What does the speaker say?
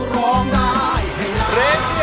ร้องได้ให้ล้าน